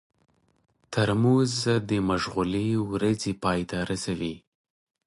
ترموز د مشغولې ورځې پای ته رسوي.